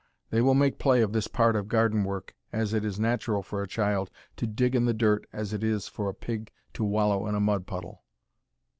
They will make play of this part of garden work, as it is as natural for a child to dig in the dirt as it is for a pig to wallow in a mud puddle.